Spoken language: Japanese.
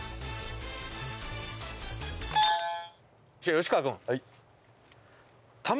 吉川君。